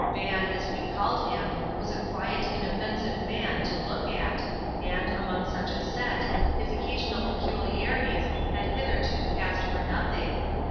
Van, as we called him, was a quiet, inoffen sive man, to look at, and, among such a set, his occasional peculiarities had hitherto passed for nothing.